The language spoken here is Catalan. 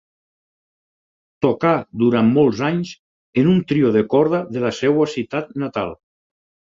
Tocà durant molts anys en un trio de corda de la seva ciutat natal.